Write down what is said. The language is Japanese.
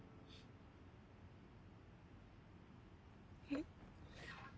えっ？